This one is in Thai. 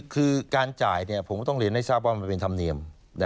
คือการจ่ายผมก็ต้องเรียนให้ทราบว่ามันเป็นธรรมเนียม